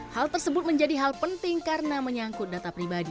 hal tersebut menjadi hal penting karena menyangkut data pribadi